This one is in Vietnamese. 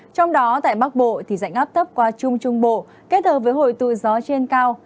trong đó tại bắc bộ thì dạnh áp thấp qua trung trung bộ kết hợp với hội tù gió trên cao